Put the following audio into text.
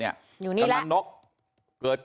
อยู่นี่แหละ